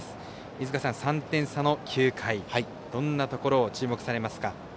飯塚さん、３点差の９回どんなところを注目されますか。